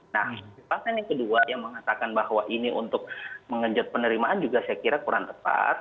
nah pasal yang kedua yang mengatakan bahwa ini untuk mengejut penerimaan juga saya kira kurang tepat